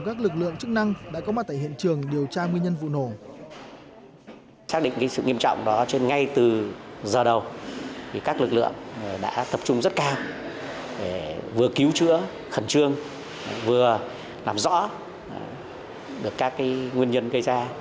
các lực lượng đã tập trung rất cao để vừa cứu chữa khẩn trương vừa làm rõ được các nguyên nhân gây ra